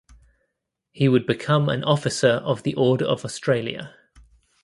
He would become an Officer of the Order of Australia.